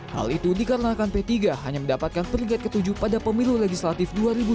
hal itu dikarenakan p tiga hanya mendapatkan peringkat ketujuh pada pemilu legislatif dua ribu sembilan belas